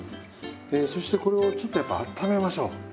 えそしてこれをちょっとやっぱあっためましょう。